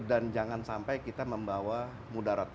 dan jangan sampai kita membawa mudarat